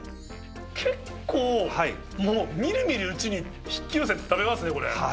結構、みるみるうちに引き寄せて食べますね、これ。